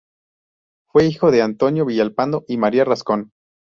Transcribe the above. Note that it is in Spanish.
Fue hijo de Antonio Villalpando y María Rascón.